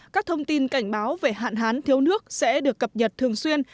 các thông tin cảnh báo về hạn hán thiếu nước sẽ được cập nhật thường xuyên